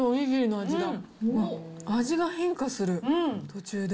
味が変化する、途中で。